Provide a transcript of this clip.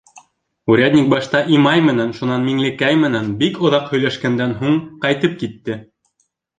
Урядник башта Имай менән, шунан Миңлекәй менән бик оҙаҡ һөйләшкәндән һуң ҡайтып китте.